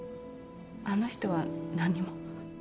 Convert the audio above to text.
あの人は何にも。